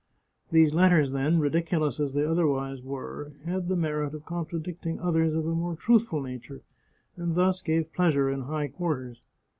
These letters, then, ridiculous as they otherwise were, had the merit of contradicting others of a more truthful nature, and thus gave pleasure in high quarters.